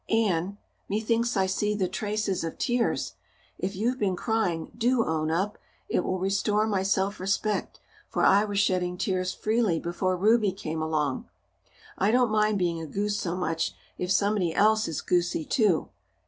Anne, methinks I see the traces of tears. If you've been crying do own up. It will restore my self respect, for I was shedding tears freely before Ruby came along. I don't mind being a goose so much if somebody else is goosey, too.